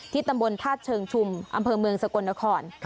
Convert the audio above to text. ตำบลธาตุเชิงชุมอำเภอเมืองสกลนคร